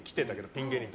ピン芸人の。